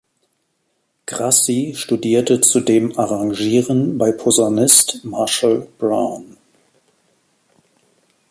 Grassi studierte zudem Arrangieren bei Posaunist Marshall Brown.